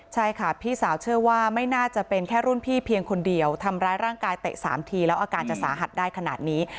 ใช่ค่ะพี่สาวเชื่อว่าไม่น่าจะเป็นแค่รุ่นพี่เพียงคนเดียวทำร้ายร่างกายเตะ๓ทีแล้วอาการจะสาหัสได้ขนาดนี้